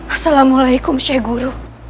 assalamualaikum syekh guru